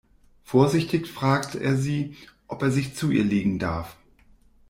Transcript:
Vorsichtig fragt er sie, ob er sich zu ihr legen darf.